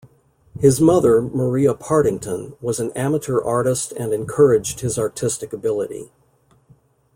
His mother, Maria Partington, was an amateur artist and encouraged his artistic ability.